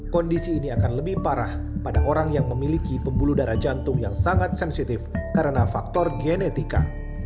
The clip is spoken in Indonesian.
kondisi ini akan lebih parah pada orang yang memiliki pembuluh darah jantung yang sangat sensitif karena faktor genetika